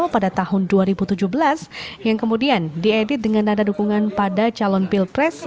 pada tahun dua ribu tujuh belas yang kemudian diedit dengan nada dukungan pada calon pilpres